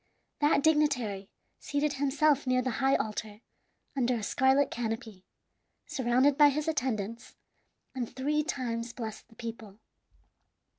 That dignitary seated himself near the high altar under a scarlet canopy, surrounded by his attendants, and three times blessed the people.